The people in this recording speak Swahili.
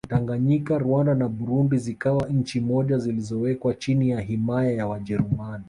Tanganyika Rwanda na Burundi zikawa nchi moja zilizowekwa chini ya himaya ya Wajerumani